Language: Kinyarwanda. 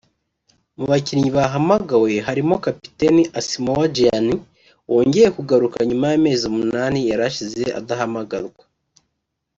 Mu bakinnyi bahamagawe harimo Kapiteni Asamoah Gyan wongeye kugaruka nyuma y’amezi umunani yari ashize adahamagarwa